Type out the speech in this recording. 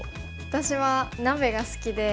私は鍋が好きで。